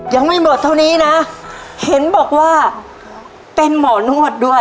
ยังไม่หมดเท่านี้นะเห็นบอกว่าเป็นหมอนวดด้วย